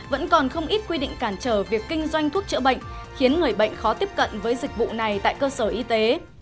vẫn còn không ít quy định cản trở việc kinh doanh thuốc chữa bệnh khiến người bệnh khó tiếp cận với dịch vụ này tại cơ sở y tế